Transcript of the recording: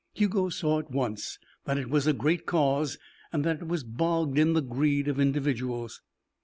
Hugo saw at once that it was a great cause and that it was bogged in the greed of individuals.